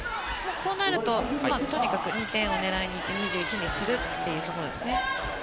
こうなるととにかく２点を狙いに行って２１にするということですね。